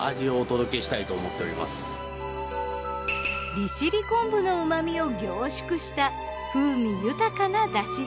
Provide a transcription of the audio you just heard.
利尻昆布の旨みを凝縮した風味豊かな出汁。